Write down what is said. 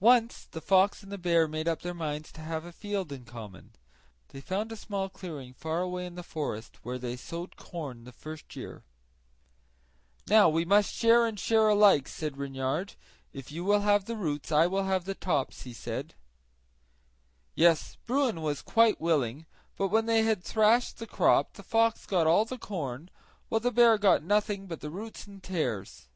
Once the fox and the bear made up their minds to have a field in common. They found a small clearing far away in the forest, where they sowed rye the first year. "Now we must share and share alike," said Reynard; "if you will have the roots I will have the tops," he said. Yes, Bruin was quite willing; but when they had thrashed the crop the fox got all the corn, while the bear got nothing but the roots and tares.